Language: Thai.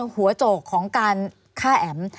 หัวโจกของการฆ่าแอ๋ม